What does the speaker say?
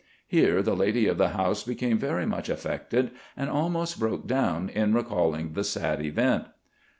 Here the lady of the house became very much affected, and almost broke down in recalling the sad event.